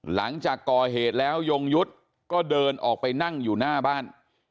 หลังจากก่อเหตุแล้วยงยุทธ์ก็เดินออกไปนั่งอยู่หน้าบ้าน